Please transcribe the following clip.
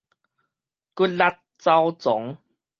骨力走傱